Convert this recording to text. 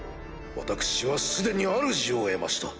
私は既にあるじを得ました。